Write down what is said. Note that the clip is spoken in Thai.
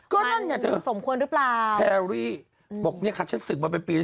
ก็นั่นนะเถอะแพรรี่บอกนี่ค่ะฉันศึกมาเป็นปีแล้ว